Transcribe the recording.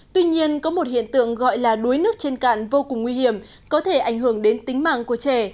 tuy nhiên có một hiện tượng gọi là đuối nước trên cạn vô cùng nguy hiểm có thể ảnh hưởng đến tính mạng của trẻ